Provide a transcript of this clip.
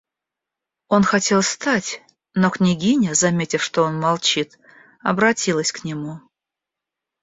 Он хотел встать, но княгиня, заметив, что он молчит, обратилась к нему.